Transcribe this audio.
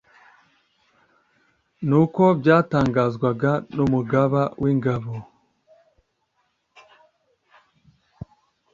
n'uko byatangazwaga n'umugaba w'ingabo